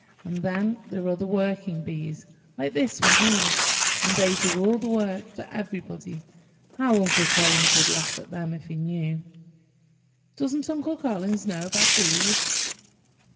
And then there are the working bees, like this one here, and they do all the work for everybody. How Uncle Collins would laugh at them, if he knew!" "Doesn't Uncle Collins know about bees?"